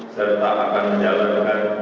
serta akan menjalankan